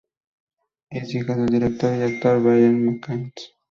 Es hija del director y actor Brian McKenzie.